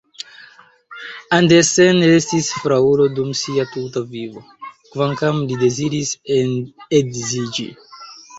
Andersen restis fraŭlo dum sia tuta vivo, kvankam li deziris edziĝi.